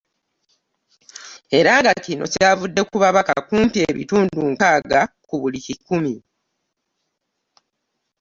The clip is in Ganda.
Era nga kino kyavudde ku babaka kumpi ebitundu nkaaga ku buli kikumi